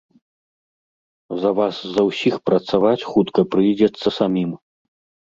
За вас за ўсіх працаваць хутка прыйдзецца самім.